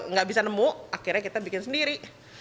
nggak bisa nemu akhirnya kita bikin sendiri